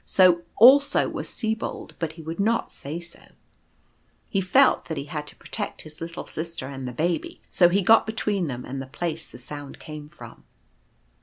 So also was Sibold, but he would not say so ; he felt that he had to protect his little Sister and the Baby, so he got between them and the place the sound came from.